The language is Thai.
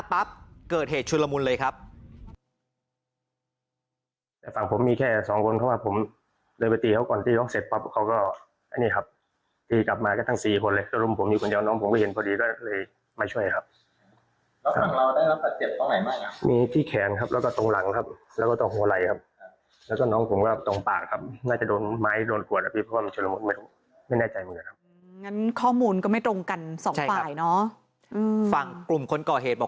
ปั๊บเกิดเหตุชุดละมุนเลยครับ